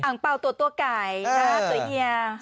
อังเปล่าตัวไก่ตัวเยียร์